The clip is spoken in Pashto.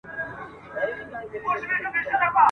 هم به کور وو په ساتلی هم روزلی ..